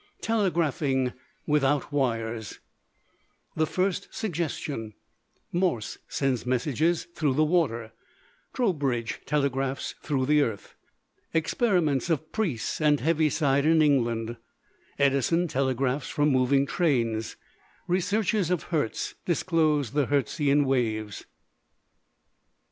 XV TELEGRAPHING WITHOUT WIRES The First Suggestion Morse Sends Messages Through the Water Trowbridge Telegraphs Through the Earth Experiments of Preece and Heaviside in England Edison Telegraphs from Moving Trains Researches of Hertz Disclose the Hertzian Waves.